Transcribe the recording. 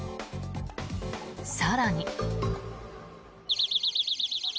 更に。